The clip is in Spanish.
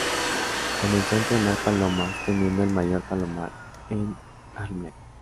Comenzó a entrenar palomas, teniendo el mayor palomar en Harlem.